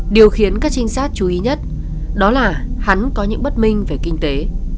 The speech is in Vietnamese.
điều khiến các trinh sát chú ý nhất đó là hắn có những bất minh về kinh tế